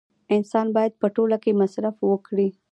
انسان باید په ټوله کې مصرف وکړي